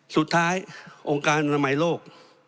สุดท้ายองค์การอนุมัยโลก